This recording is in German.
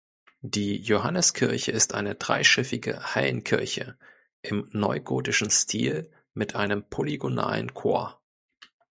Die Johanneskirche ist eine dreischiffige Hallenkirche im neugotischen Stil mit einem polygonalen Chor.